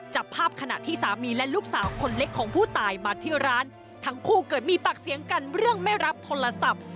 จับภาพขณะที่สามีและลูกสาวคนเล็กของผู้ตายมาที่ร้านทั้งคู่เกิดมีปากเสียงกันเรื่องไม่รับโทรศัพท์